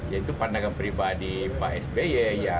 yaitu pandangan pribadi pak sby